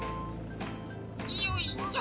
よいしょ！